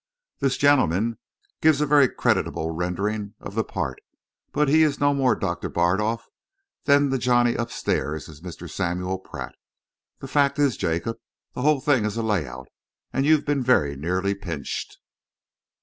This gentleman gives a very creditable rendering of the part, but he is no more Doctor Bardolf than the Johnny upstairs is Mr. Samuel Pratt. The fact is, Jacob, the whole thing is a layout, and you've been very nearly pinched."